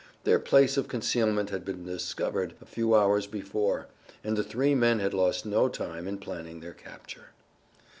Their place of concealment had been discovered a few hours before, and the three men had lost no time in planning their capture.